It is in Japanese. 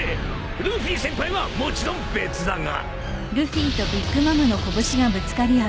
［ルフィ先輩はもちろん別だが］